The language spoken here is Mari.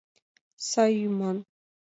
Сай йӱман.